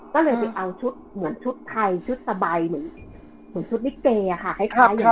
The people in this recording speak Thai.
ก็เลยไปเอาชุดเหมือนชุดไทยชุดสบายเหมือนชุดนิเกย์ค่ะ